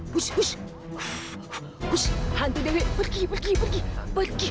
hush hush hush hush hantu dewi pergi pergi pergi